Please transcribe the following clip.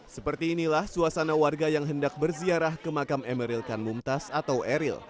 seperti inilah suasana warga yang hendak berziarah ke makam emeril kan mumtaz atau eril